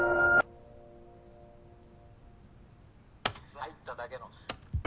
入っただけの。